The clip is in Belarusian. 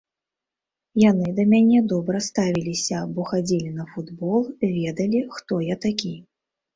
Яны да мяне добра ставіліся, бо хадзілі на футбол, ведалі, хто я такі.